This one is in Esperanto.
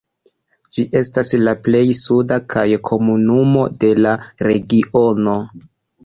Ĝi estas la plej suda kaj komunumo de la regiono.